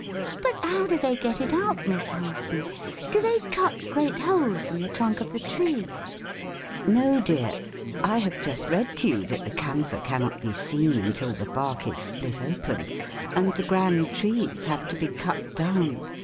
But how do they get it out, Miss Harson? Do they cut great holes in the trunk of the tree?" "No, dear; I have just read to you that the camphor cannot be seen until the bark is split open, and the grand trees have to be cut down.